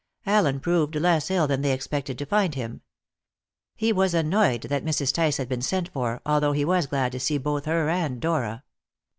Allen proved less ill than they expected to find him. He was annoyed that Mrs. Tice had been sent for, although he was glad to see both her and Dora.